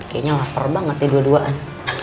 kayaknya lapar banget nih dua duaan